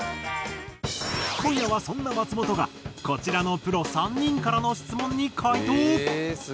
今夜はそんな松本がこちらのプロ３人からの質問に回答！